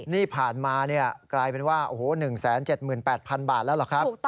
นี่ผ่านมาเนี่ยกลายเป็นว่า๑๗๘๐๐๐บาทแล้วหรอครับ